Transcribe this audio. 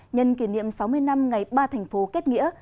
nhân kỷ niệm sáu mươi năm ngày ba thành phố kết nghĩa